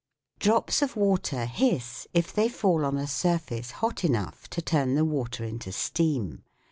Drops of water hiss if they fall on a surface hot enough to turn the water into steam.